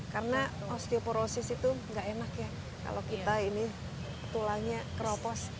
karena osteoporosis itu enggak enak ya kalau kita ini tulangnya teropos